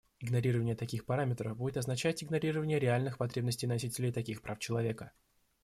Игнорирование таких параметров будет означать игнорирование реальных потребностей носителей таких прав человека.